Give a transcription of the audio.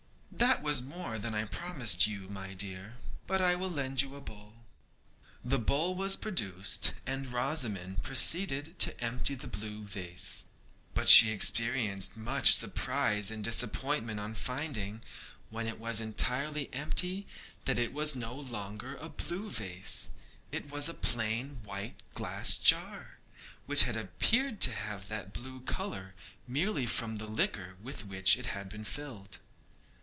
'That was more than I promised you, my dear, but I will lend you a bowl.' The bowl was produced, and Rosamond proceeded to empty the blue vase. But she experienced much surprise and disappointment on finding, when it was entirely empty, that it was no longer a blue vase. It was a plain white glass jar, which had appeared to have that beautiful colour merely from the liquor with which it had been filled.